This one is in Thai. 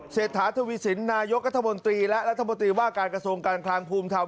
เศรษฐาทวีสินนายกรัฐมนตรีและรัฐมนตรีว่าการกระทรวงการคลังภูมิธรรม